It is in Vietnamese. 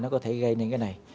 có thể gây nên cái này